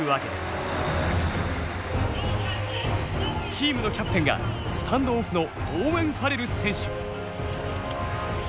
チームのキャプテンがスタンドオフのオーウェン・ファレル選手。